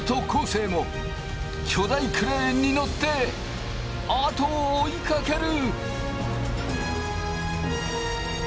生も巨大クレーンに乗って後を追いかける！